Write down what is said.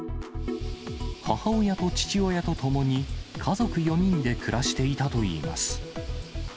母親と父親と共に家族４人で暮らしていたといいます。